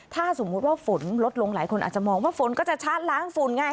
ถ้าสมมุติว่าฝนลดลงหลายคนอาจจะมองว่าฝนก็จะชาร์จล้างฝุ่นไง